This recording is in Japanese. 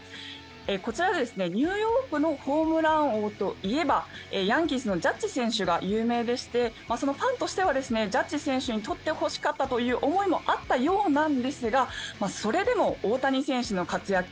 こちらですねニューヨークのホームラン王といえばヤンキースのジャッジ選手が有名でして、そのファンとしてはジャッジ選手に取って欲しかったという思いがあったようなんですがそれでも大谷選手の活躍